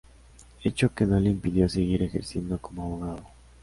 Hecho que no le impidió seguir ejerciendo como abogado.